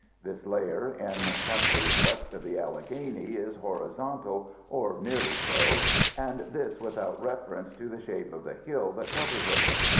This layer, in countries west of the Alleghany, is horizontal, or nearly so, and this without reference to the shape of the hill that covers it.